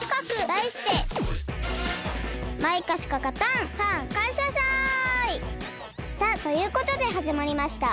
だいしてさあということではじまりました！